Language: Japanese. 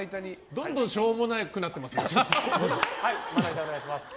どんどんしょうもなくなってますよ。